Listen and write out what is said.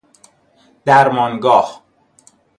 درمانگاه